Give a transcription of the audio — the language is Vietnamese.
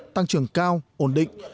tăng trưởng cao ổn định